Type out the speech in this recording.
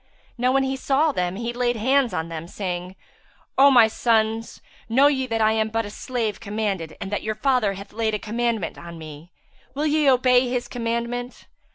Now when he saw them, he laid hands on them, saying, "Omy sons, know ye that I am but a slave commanded, and that your father hath laid a commandment on me; will ye obey his commandment?"